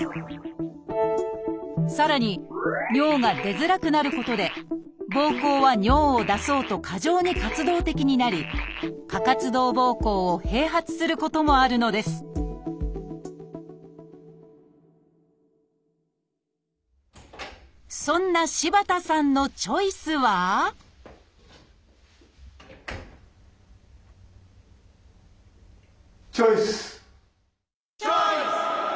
さらに尿が出づらくなることでぼうこうは尿を出そうと過剰に活動的になり過活動ぼうこうを併発することもあるのですそんな柴田さんのチョイスはチョイス！